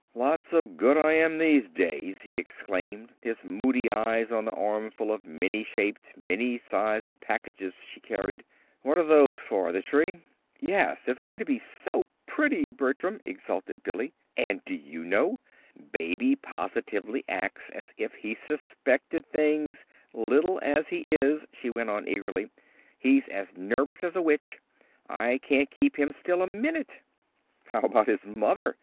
"Lots of good I am these days!" he exclaimed, his moody eyes on the armful of many shaped, many sized packages she carried. "What are those for the tree?" "Yes; and it's going to be so pretty, Bertram," exulted Billy. "And, do you know, Baby positively acts as if he suspected things little as he is," she went on eagerly. "He's as nervous as a witch. I can't keep him still a minute!" "How about his mother?"